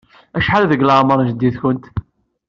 Acḥal deg leɛmeṛ n jeddi-tkent?